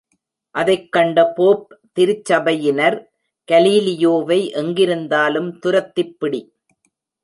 அதைக் கண்ட போப் திருச்சபையினர், கலீலியோவை எங்கிருந்தாலும் துரத்திப்பிடி!